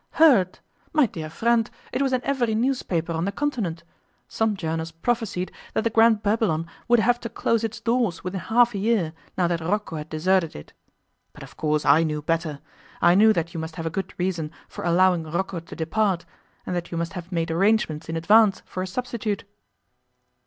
'Heard! My dear friend, it was in every newspaper on the Continent. Some journals prophesied that the Grand Babylon would have to close its doors within half a year now that Rocco had deserted it. But of course I knew better. I knew that you must have a good reason for allowing Rocco to depart, and that you must have made arrangements in advance for a substitute.